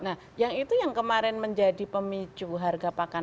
nah yang itu yang kemarin menjadi pemicu harga pakan